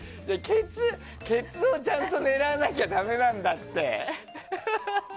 ケツをちゃんと狙わなきゃだめなんだって！